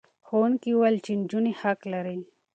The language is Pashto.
ښوونکي وویل چې نجونې حق لري.